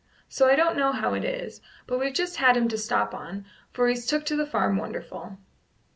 So I don't know how it is, but we've just had him to stop on, for he's took to the farm wonderful."